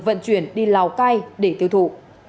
vận chuyển đi lào cay để tiêu thụ